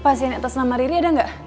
mbak pasien yang tersenamah riri ada gak